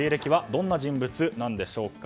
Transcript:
どんな人物なんでしょうか。